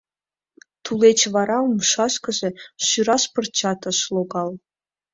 Тулеч вара умшашкыже шӱраш пырчат ыш логал.